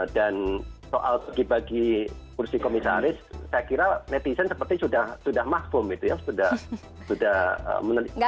dan soal bagi komisaris saya kira netizen seperti sudah maksum gitu ya sudah menerima